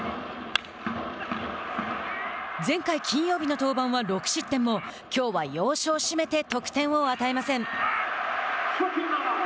前回金曜日の登板は６失点もきょうは要所を締めて得点を与えません。